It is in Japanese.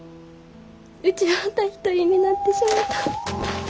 うちまた一人になってしもた。